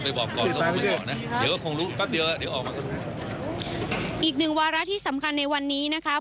อีกหนึ่งวาระที่สำคัญในวันนี้นะคะ